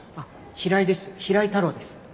平井太郎です。